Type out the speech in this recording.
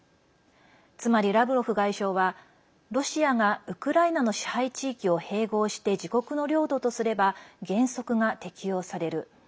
つまり、ラブロフ外相はロシアがウクライナの支配地域を併合して自国の領土とすれば原則が適用される。